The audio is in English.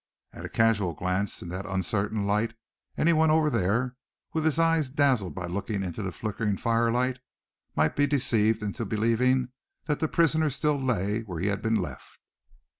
At a casual glance in that uncertain light, any one over there, with his eyes dazzled by looking into the flickering firelight, might be deceived into believing that the prisoner still lay where he had been left.